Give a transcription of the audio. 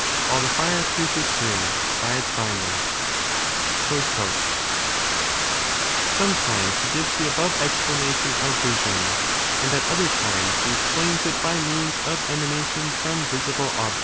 While the fire pierces through, by its fineness." 10 Sometimes he gives the above explanation of vision, and at other times he explains it by means of emanations from visible objects.